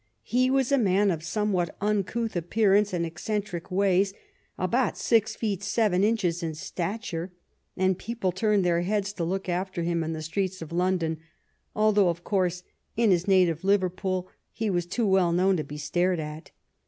He was a man of somewhat uncouth appearance and eccen tric ways, about six feet seven inches in stature, and people turned their heads to look after him in the streets of London, although, of course, in his native Liverpool he was too well known to be stared at.